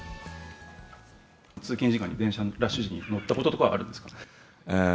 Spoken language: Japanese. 通勤時間に、ラッシュ時間に電車に乗ったこととかはあるんですか。